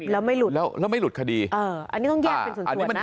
แล้วไม่หลุดแล้วแล้วไม่หลุดคดีอันนี้ต้องแยกเป็นส่วนนะ